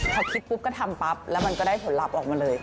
พอคิดปุ๊บก็ทำปั๊บแล้วมันก็ได้ผลลัพธ์ออกมาเลย